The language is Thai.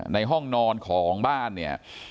ในห้องนอนของบ้านเนี่ย